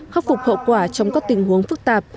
khắc phục hậu quả trong các tình huống phức tạp